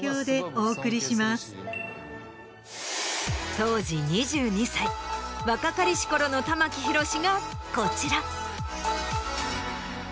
当時２２歳若かりし頃の玉木宏がこちら。